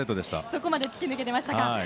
そこまで突き抜けていましたか。